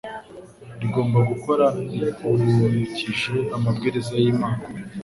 Rigomba gukora rikurikije amabwiriza y'Imana,